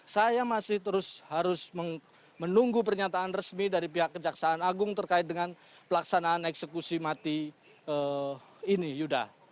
saya masih terus harus menunggu pernyataan resmi dari pihak kejaksaan agung terkait dengan pelaksanaan eksekusi mati ini yuda